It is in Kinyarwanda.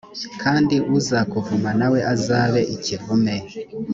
kandi uzakuvuma na we azabe ikivume.